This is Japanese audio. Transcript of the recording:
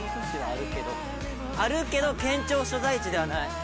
あるけど県庁所在地ではない。